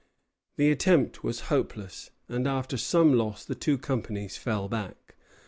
The attempt was hopeless, and after some loss the two companies fell back.